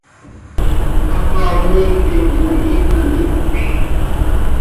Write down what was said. ¡Hataai iictim quih iiqui hiipjc!